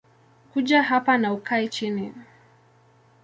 Kuja hapa na ukae chini